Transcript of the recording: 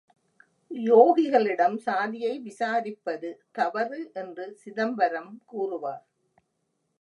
யோகிகளிடம் சாதியை விசாரிப்பது தவறு என்று சிதம்பரம் கூறுவார்!